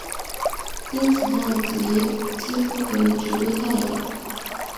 因此它的极几乎可以直对太阳。